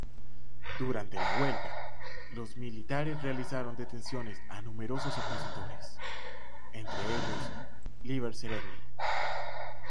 Durante la huelga, los militares realizaron detenciones a numerosos opositores, entre ellos Líber Seregni.